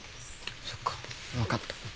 そっか分かった。